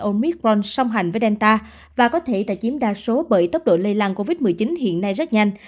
omicron song hành với delta và có thể trả chiếm đa số bởi tốc độ lây lan covid một mươi chín hiện nay rất nhanh